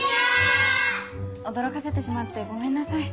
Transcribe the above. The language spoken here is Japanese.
驚かせてしまってごめんなさい。